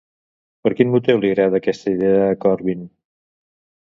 Per quin motiu li agrada aquesta idea a Corbyin?